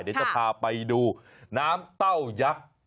เดี๋ยวจะพาไปดูน้ำเต้ายักษ์